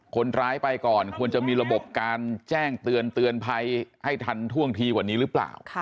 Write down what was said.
คนร้ายไปก่อนควรจะมีระบบการแจ้งเตือนเตือนภัยให้ทันท่วงทีกว่านี้หรือเปล่า